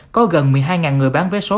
có gần một mươi hai người bán vé số